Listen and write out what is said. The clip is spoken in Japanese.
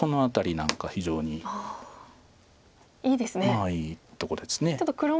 ああいいとこです。